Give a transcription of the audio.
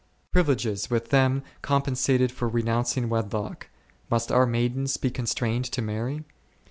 Privileges with them compen sated for renouncing wedlock ; must our maidens be constrained to marry